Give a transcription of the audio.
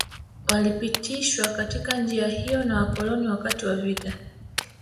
Walipitishwa katika njia hiyo na Wakoloni wakati wa vita